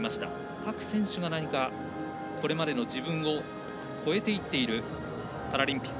各選手が何かこれまでの自分を超えていっているパラリンピック。